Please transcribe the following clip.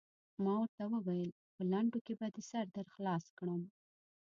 ما ورته وویل: په لنډو کې به دې سر در خلاص کړم.